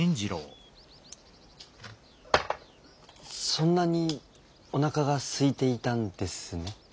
・そんなにおなかがすいていたんですね。